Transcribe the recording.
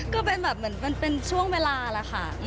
ก็เป็นแบบเหมือนช่วงเวลาระค่ะ